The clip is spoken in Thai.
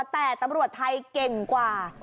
แต่ตำรวจไทยเก่งกว่า